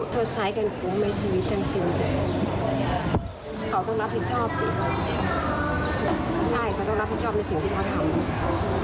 เธอใช้กันคุ้มในชีวิตทั้งชีวิต